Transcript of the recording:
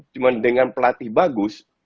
cuma dengan pelatih bagus